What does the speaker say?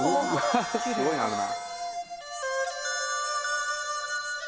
すごいのあるな。